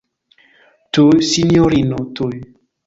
Tuj, sinjorino, tuj.